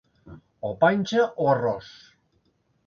O panxa o arròs.